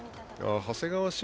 長谷川慎